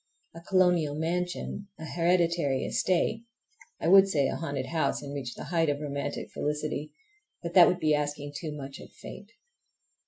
A colonial mansion, a hereditary estate, I would say a haunted house, and reach the height of romantic felicity—but that would be asking too much of fate!